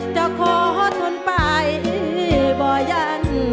จะขอทนไปบ่ยัน